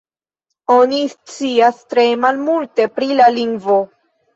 Oni scias tre malmulte pri la lingvo.